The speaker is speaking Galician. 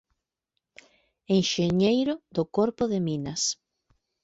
Enxeñeiro do corpo de Minas.